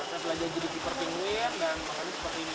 setelah dia jadi keeper pinguin dan makannya seperti ini